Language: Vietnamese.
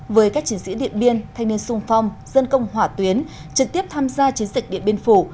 với các chiến sĩ điện biên thanh niên sung phong dân công hỏa tuyến trực tiếp tham gia chiến dịch điện biên phủ